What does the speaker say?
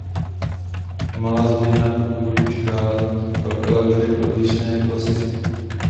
Malá změna na původní škále pak ale vede k odlišné klasifikaci.